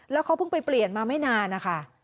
แล้วเขาเพิ่งไปเปลี่ยนมาไม่นานนะคะ